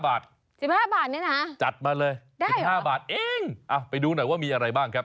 ๑๕บาทเนี่ยนะจัดมาเลยได้๑๕บาทเองไปดูหน่อยว่ามีอะไรบ้างครับ